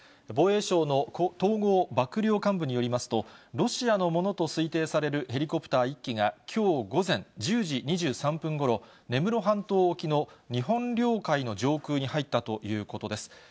防衛省の統合幕僚監部によりますと、ロシアのものと推定されるヘリコプター１機が、きょう午前１０時２３分ごろ、根室半島沖の、日本領海の上空に入ったということです。